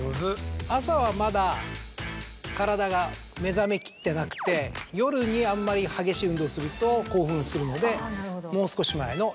朝はまだ体が目覚めきってなくて夜にあんまり激しい運動すると興奮するのでもう少し前の。